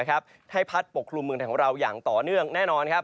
ให้พัดปกครุมเมืองไทยของเราอย่างต่อเนื่องแน่นอน